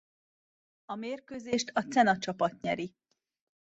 A mérkőzést a Cena csapat nyeri.